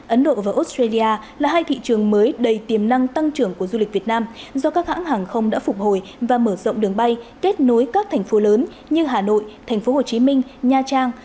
ấn độ và australia là hai thị trường mới đầy tiềm năng tăng trưởng của du lịch việt nam do các hãng hàng không đã phục hồi và mở rộng đường bay kết nối các thành phố lớn như hà nội thành phố hồ chí minh nha trang